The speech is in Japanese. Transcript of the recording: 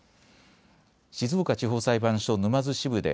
静岡地方裁判所沼津支部で